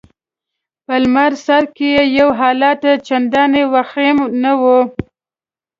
په لمړي سر کي يې حالت چنداني وخیم نه وو.